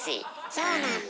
そうなんだ。